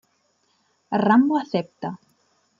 Rambo acepta.